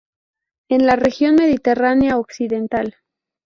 En la región mediterránea occidental.